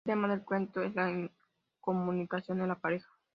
El tema del cuento es la incomunicación en la pareja.